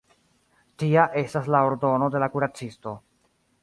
Tia estas la ordono de la kuracisto.